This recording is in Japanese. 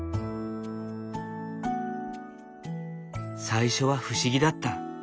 最初は不思議だった。